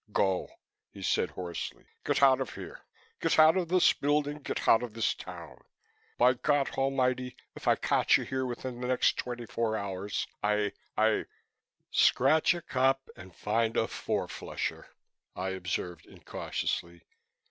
"Go!" he said hoarsely. "Get out of here, get out of this building, get out of this town. By God Almighty, if I catch you here within the next twenty four hours, I I " "Scratch a cop and find a four flusher," I observed incautiously.